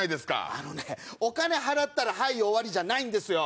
あのねお金払ったらはい終わり！じゃないんですよ。